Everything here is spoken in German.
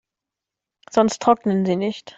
Sonst trocknen sie nicht.